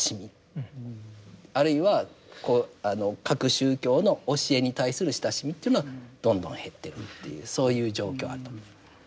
あるいはこう各宗教の教えに対する親しみというのはどんどん減ってるというそういう状況あると思います。